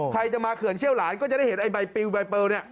ใครจะมาเขื่อนเชี่ยวหลานก็จะได้เห็นไอ้ใบปิวใบเปิลเนี่ย